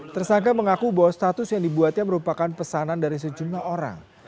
tersangka mengaku bahwa status yang dibuatnya merupakan pesanan dari sejumlah orang